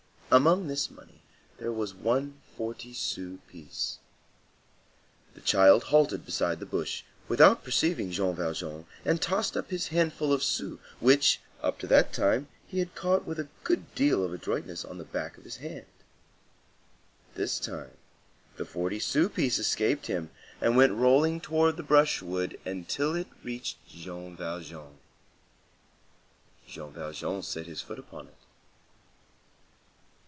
Among this money there was one forty sou piece. The child halted beside the bush, without perceiving Jean Valjean, and tossed up his handful of sous, which, up to that time, he had caught with a good deal of adroitness on the back of his hand. This time the forty sou piece escaped him, and went rolling towards the brushwood until it reached Jean Valjean. Jean Valjean set his foot upon it.